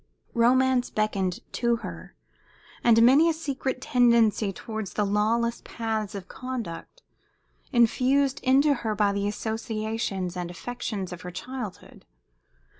Romance beckoned to her, and many a secret tendency towards the lawless paths of conduct, infused into her by the associations and affections of her childhood.